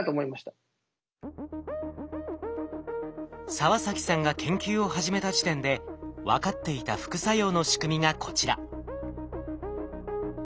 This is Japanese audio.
澤崎さんが研究を始めた時点で分かっていた副作用の仕組みがこちら。